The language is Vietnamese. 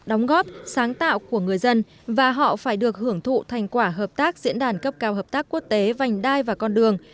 đóng góp sáng tạo của người dân và họ phải được hưởng thụ thành quả hợp tác diễn đàn cấp cao hợp tác quốc tế vành đai và con đường